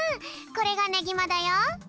これがねぎまだよ。